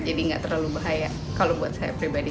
jadi tidak terlalu bahaya kalau buat saya pribadi